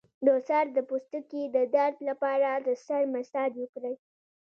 د سر د پوستکي د درد لپاره د سر مساج وکړئ